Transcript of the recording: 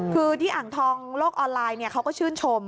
คือที่อ่างทองโลกออนไลน์เขาก็ชื่นชม